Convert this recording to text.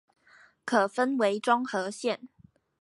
可分為中和線